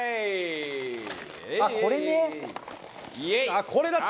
あっこれだ！